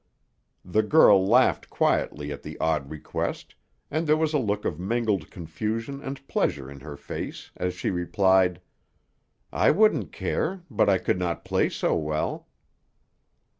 The girl laughed quietly at the odd request, and there was a look of mingled confusion and pleasure in her face as she replied, "I wouldn't care, but I could not play so well."